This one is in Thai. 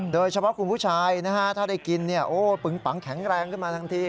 โดยเฉพาะคุณผู้ชายนะฮะถ้าได้กินปึงปังแข็งแรงขึ้นมาทันที